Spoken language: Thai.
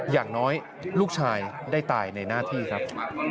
อย่างน้อยลูกชายได้ตายในหน้าที่ครับ